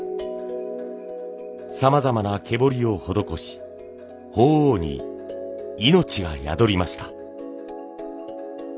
さまざまな毛彫りを施し鳳凰に命が宿りました。